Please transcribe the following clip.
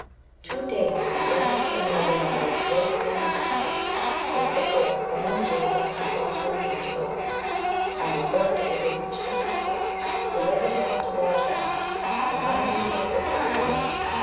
Two days Don Galaor and Norandel rode with their mistresses towards the port from whence they designed to cross over into Gaul ; on the third day they reached a castle where they resolved to lodge that night, and finding the gate open rode in.